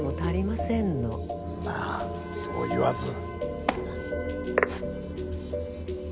まあそう言わず。